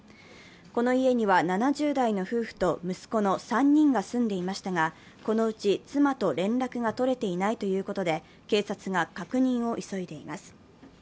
この家には７０代の夫婦と息子の３人が住んでいましたが、このうち妻と連絡が取れていないということで、警察が確認を急いでいます。